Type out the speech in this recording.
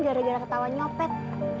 gara gara ketawa nyopet